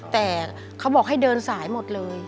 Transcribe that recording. แต่เขาบอกให้เดินสายหมดเลย